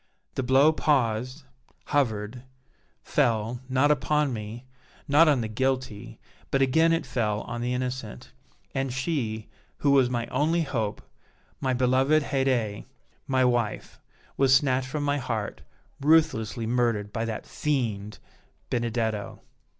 The blow paused hovered fell, not upon me, not on the guilty, but again it fell on the innocent; and she, who was my only hope, my beloved Haydée, my wife, was snatched from my heart, ruthlessly murdered by that fiend, Benedetto!"